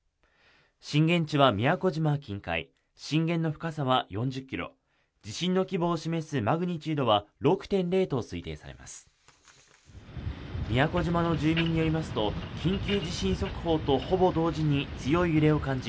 震源地は宮古島近海震源の深さは４０キロ地震の規模を示すマグニチュードは６．０と推定されます宮古島の住民によりますと緊急地震速報とほぼ同時に強い揺れを感じ